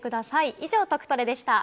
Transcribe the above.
以上、トクトレでした。